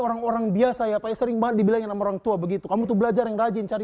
orang orang biasa ya pak ya sering banget dibilangin sama orang tua begitu kamu tuh belajar yang rajin cari